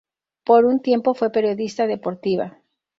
Por un tiempo fue periodista deportiva.